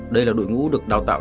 đây là đội ngũ được đào tạo